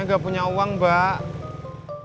kagak lagi bikin kue kering babbe mau mesen kue